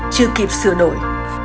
chưa kịp sửa đổi